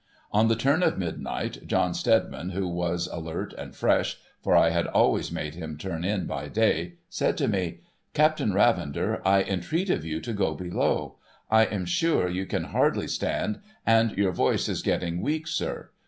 On the turn of midnight, John Steadiman, who was alert and fresh (for I had always made him turn in by day), said to me, ' Captain Ravender, I entreat of you to go below. I am sure you can hardly stand, and your voice is getting weak, sir.